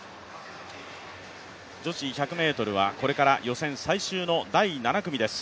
女子１００ｍはこれから予選最終の第７組です。